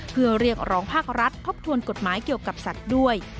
เพื่อเรียกร้องภาครัฐทบทวนกฎหมายเกี่ยวกับสัตว์ด้วย